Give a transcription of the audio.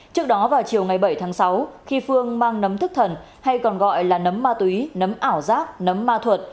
trước đó vào chiều ngày bảy tháng sáu khi phương mang nấm thức thần hay còn gọi là nấm ma túy nấm ảo giác nấm ma thuật